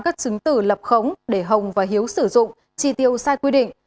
các chứng tử lập khống để hồng và hiếu sử dụng chi tiêu sai quy định